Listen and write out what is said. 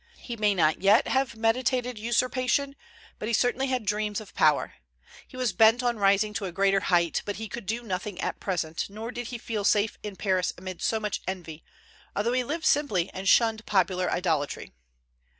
He may not yet have meditated usurpation, but he certainly had dreams of power. He was bent on rising to a greater height; but he could do nothing at present, nor did he feel safe in Paris amid so much envy, although he lived simply and shunned popular idolatry.